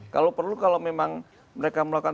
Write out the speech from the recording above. kalau perlu kalau memang mereka melakukan